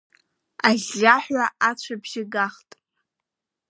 Аӷьӷьаҳәа ацәажәабжьы гахт…